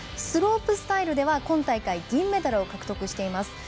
スロープスタイルでは今大会銀メダルを獲得しています。